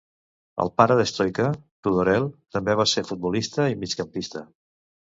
El pare de Stoica, Tudorel, també va ser futbolista i migcampista.